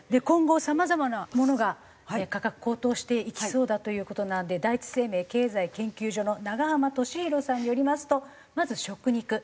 今後さまざまなものが価格高騰していきそうだという事なんで第一生命経済研究所の永濱利廣さんによりますとまず食肉。